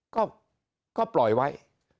ก็มีก็ปล่อยไว้